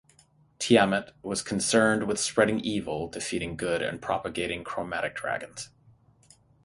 Tiamat is most concerned with spreading evil, defeating good, and propagating chromatic dragons.